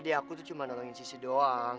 di aku tuh cuma nolongin sisi doang